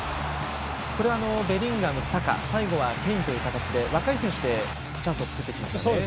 これはベリンガム、サカ最後はケインという形で若い選手でチャンスを作りましたね。